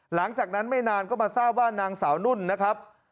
หลังจากนั้นไม่นานก็มาทราบว่านางสาวนุ่นนะครับ